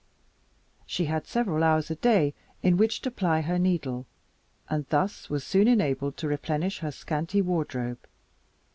She had several hours a day in which to ply her needle, and thus was soon enabled to replenish her scanty wardrobe.